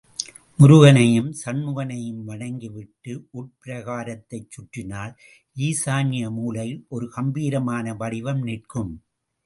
முருகனையும் சண்முகனையும் வணங்கி விட்டு உட்பிராகாரத்தைச் சுற்றினால், ஈசான்ய மூலையில் ஒரு கம்பீரமான வடிவம் நிற்கும்.